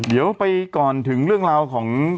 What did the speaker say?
เดี๋ยวไปก่อนถึงเรื่องราวของ